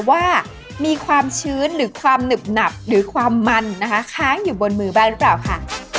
ว่ามีความชื้นหรือความหนึบหนับหรือความมันนะคะค้างอยู่บนมือบ้างหรือเปล่าค่ะ